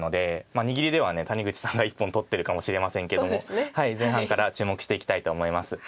握りでは谷口さんが一本取ってるかもしれませんけども前半から注目していきたいと思います。